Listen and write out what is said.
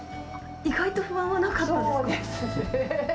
意外と不安はなかったんですそうですね。